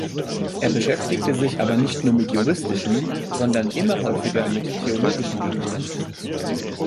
Er beschäftigte sich aber nicht nur mit juristischen, sondern immer häufiger mit theologischen Gegenständen.